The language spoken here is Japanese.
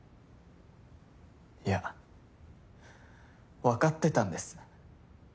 いやわかってたんです。